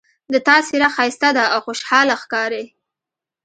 د تا څېره ښایسته ده او خوشحاله ښکاري